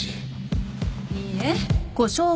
・いいえ。